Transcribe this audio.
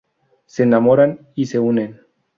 Se enamoran y se unen.